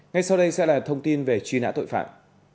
ngay sau đây sẽ là thông tin về truy nã tội phạm